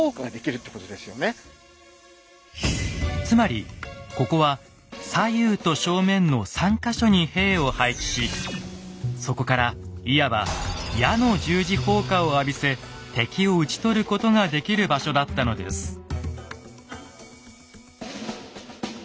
つまりここは左右と正面の３か所に兵を配置しそこからいわば矢の十字砲火を浴びせ敵を討ち取ることができる場所だったのです。